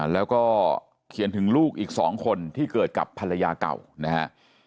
แล้วก็เขียนถึงลูกอีก๒คนที่เกิดกับภรรยาเก่านะฮะ